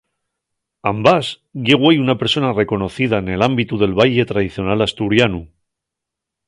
Ambás ye güei una persona reconocida nel ámbitu del baille tradicional asturianu.